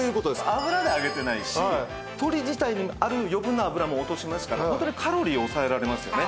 油で揚げてないし鶏自体にある余分な脂も落としますからカロリーを抑えられますよね。